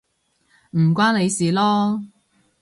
唔關你事囉